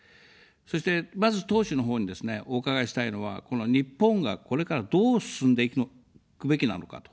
そして、まず、党首のほうにですね、お伺いしたいのは、この日本がこれからどう進んでいくべきなのかと。